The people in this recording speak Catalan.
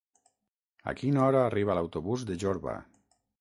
A quina hora arriba l'autobús de Jorba?